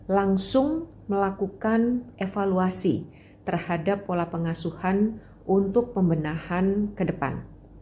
langsung melakukan evaluasi terhadap pola pengasuhan untuk pembenahan ke depan